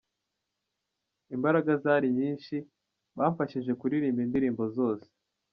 Imbaraga zari nyinshi, bamfashije kuririmba indirimbo zose.